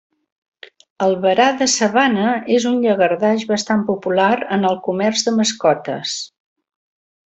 El varà de sabana és un llangardaix bastant popular en el comerç de mascotes.